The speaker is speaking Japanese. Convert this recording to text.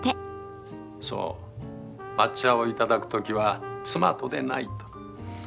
そう抹茶をいただく時は妻とでないと。